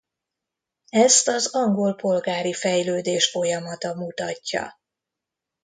Ezt az angol polgári fejlődés folyamata mutatja.